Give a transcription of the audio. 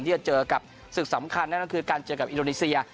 ที่จะเจอกับศึกสำคัญนั่นก็คือการเจอกับอินโดนีเซีย